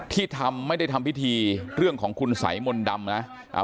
ที่ทำไม่ได้ทำพิธีเรื่องของคุณสัยมนต์ดำนะ